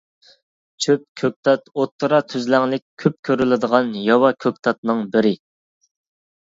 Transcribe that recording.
چۆپ كۆكتات ئوتتۇرا تۈزلەڭلىك كۆپ كۆرۈلىدىغان ياۋا كۆكتاتنىڭ بىرى.